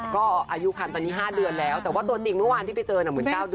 ก็อายุคันตอนนี้๕เดือนแล้วแต่ว่าตัวจริงเมื่อวานที่ไปเจอน่ะเหมือน๙เดือน